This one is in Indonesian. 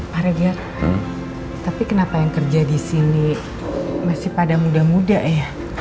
para biar tapi kenapa yang kerja di sini masih pada muda muda ya